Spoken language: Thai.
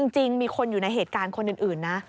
จริงมีคนอยู่ในเหตุการณ์คนอื่นนะ